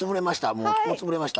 もう潰れました。